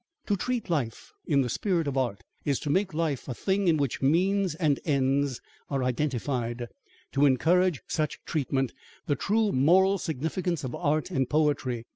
To treat life in the spirit of art, is to make life a thing in which means and ends are identified: to encourage such treatment, the true moral significance of art and poetry.